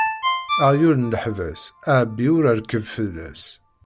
Aɣyul n leḥbas, ɛebbi u rkeb fell-as.